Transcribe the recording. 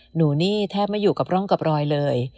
หนูนี่แทบไม่อยู่กับร่องกับรอยเลย